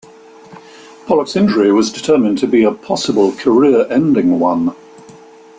Pollack's injury was determined to be a possible career-ending one.